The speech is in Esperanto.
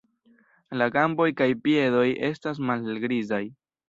La gamboj kaj piedoj estas malhelgrizaj.